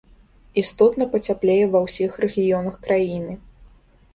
Істотна пацяплее ва ўсіх рэгіёнах краіны.